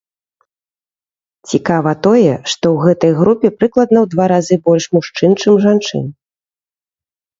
Цікава тое, што ў гэтай групе прыкладна ў два разы больш мужчын, чым жанчын.